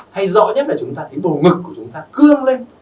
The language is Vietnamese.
hay rõ nhất là chúng ta thấy bồ ngực của chúng ta cương lên